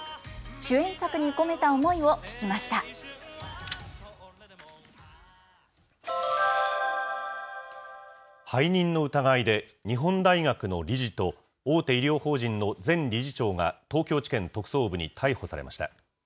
主演作に込めた背任の疑いで、日本大学の理事と、大手医療法人の前理事長が東京地検特捜部に逮捕されました。